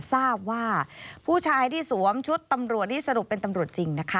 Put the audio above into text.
ทราบว่าผู้ชายที่สวมชุดตำรวจนี่สรุปเป็นตำรวจจริงนะคะ